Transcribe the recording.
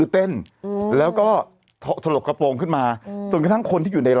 แต่ว่ามันก็ไม่สมควร